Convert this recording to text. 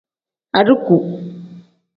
Adiiku.